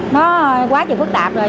nó quá trời phức tạp rồi